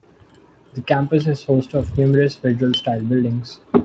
The campus is host to numerous federal style buildings.